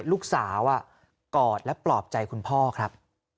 ลูกสาวกอดและปลอบใจคุณพ่อครับ